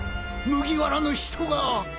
麦わらの人が。